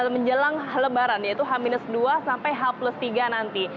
menjelang lebaran yaitu hamilus dua sampai hamilus tiga nanti